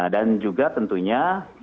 dan juga tentunya